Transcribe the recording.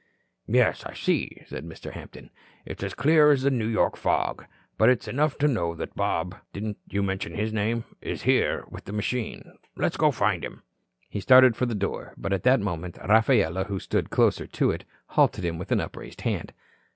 "Yes, I see," said Mr. Hampton. "It's as clear as a New York fog. But it's enough to know that Bob didn't you mention his name is here with the machine. Let's go and find him." He started for the door. But at that moment Rafaela, who stood closer to it, halted him with upraised hand.